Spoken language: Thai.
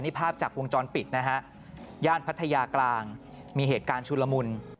นี่ภาพจากวงจรปิดนะฮะย่านพัทยากลางมีเหตุการณ์ชุลมุน